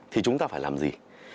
thì chúng ta phải làm gì